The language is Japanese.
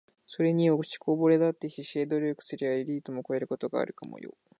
｢それによ……落ちこぼれだって必死で努力すりゃエリートを超えることがあるかもよ｣